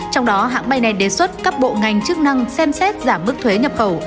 trong đó hãng bay này đề xuất các bộ ngành chức năng xem xét giảm mức thuế nhập khẩu